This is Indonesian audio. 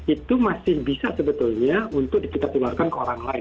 itu masih bisa sebetulnya untuk kita keluarkan ke orang lain